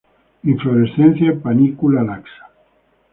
Inflorescencia en panícula laxa.